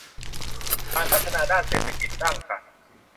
การพัฒนาด้านเศรษฐกิจสร้างสรรค์